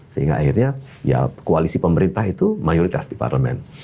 sehingga akhirnya ya koalisi pemerintah itu mayoritas di parlemen